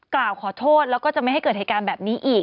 กล่าวขอโทษแล้วก็จะไม่ให้เกิดเหตุการณ์แบบนี้อีก